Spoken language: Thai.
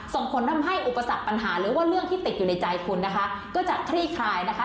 ส่งผลทำให้อุปสรรคปัญหาหรือว่าเรื่องที่ติดอยู่ในใจคุณนะคะก็จะคลี่คลายนะคะ